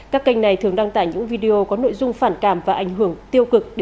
các kênh này thường đăng tải những video có nội dung phản cảm và ảnh hưởng tiêu cực đến giới trẻ